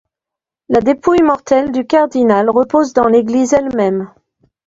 La dépouille mortelle du cardinal repose dans l'église elle-même.